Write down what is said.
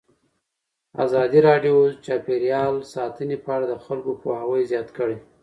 ازادي راډیو د چاپیریال ساتنه په اړه د خلکو پوهاوی زیات کړی.